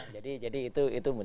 jadi itu muncul